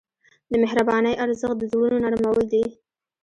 د مهربانۍ ارزښت د زړونو نرمول دي.